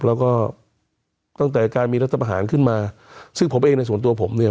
แล้วก็ตั้งแต่การมีรัฐประหารขึ้นมาซึ่งผมเองในส่วนตัวผมเนี่ย